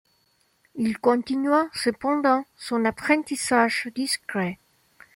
Il continua cependant son apprentissage discret.